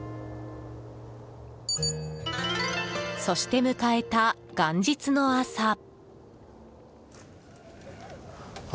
そして迎えた元日の朝。